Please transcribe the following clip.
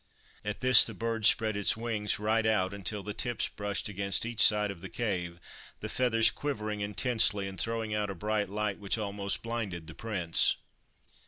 At this the bird spread its wings right out until the tips brushed against each side of the cave, the feathers quivering intensely and throwing out a bright light which almost blinded the Prince.